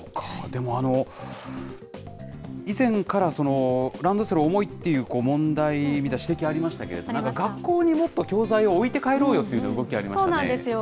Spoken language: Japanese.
でも、以前からランドセル重いっていう問題、指摘ありましたけれども、なんか学校にもっと教材を置いて帰ろうよっていうような動きありそうなんですよ。